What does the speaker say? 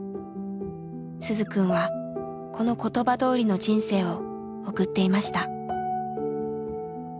鈴くんはこの言葉どおりの人生を送っていました。